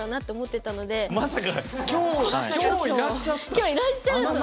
今日いらっしゃった。